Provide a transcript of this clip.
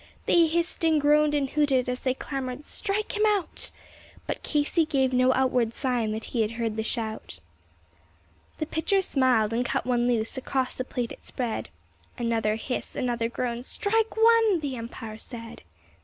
They hissed and groaned and hooted as they clamored, "Strike him out!" But Casey gave no outward sign that he had heard the shout. The pitcher smiled and cut one loose; across the plate it spread; Another hiss, another groan "Strike one!" the umpire said.